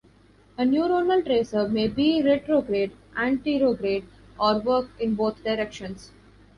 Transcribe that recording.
A neuronal tracer may be retrograde, anterograde, or work in both directions.